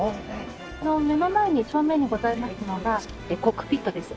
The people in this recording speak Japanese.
目の前に正面にございますのがコックピットです。